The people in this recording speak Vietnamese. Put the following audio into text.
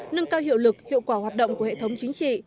nâng cao hiệu lực hiệu quả hoạt động của hệ thống chính trị